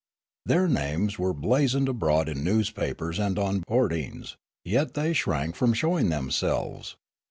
Their names were blazoned abroad in newspapers and on hoardings, yet they .shrank from showing themselves.